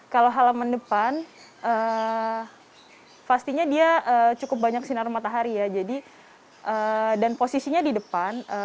kalau halaman depan pastinya dia cukup banyak sinar matahari ya jadi dan posisinya di depan